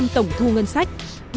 ba mươi tổng thu ngân sách